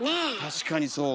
確かにそうか。